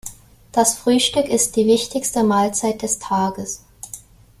Das Frühstück ist die wichtigste Mahlzeit des Tages.